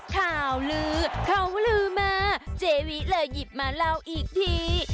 ข่าวลือเขาลือมาเจวิเลยหยิบมาเล่าอีกที